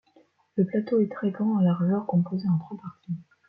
Le plateau est très grand en largeur, composé en trois parties.